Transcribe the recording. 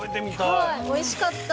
はいおいしかった。